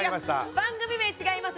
番組名違います。